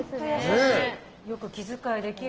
よく気遣いできる。